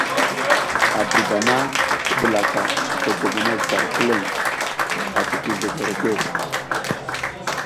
A dirbana ki ɓulaka zlogomo na zar kileŋ a ciki zlengereke.